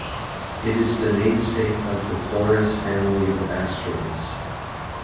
It is the namesake of the Chloris family of asteroids.